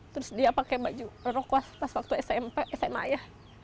terus dia pakai baju rok was pas waktu sma ya